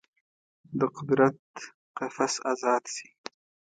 د قدرت قفس ازاد شي